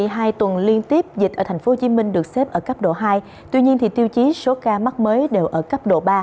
trong hai tuần liên tiếp dịch ở tp hcm được xếp ở cấp độ hai tuy nhiên tiêu chí số ca mắc mới đều ở cấp độ ba